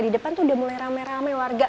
di depan tuh udah mulai rame rame warga